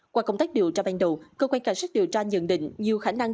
qua công tác điều tra ban đầu cơ quan cảnh sát điều tra nhận định nhiều khả năng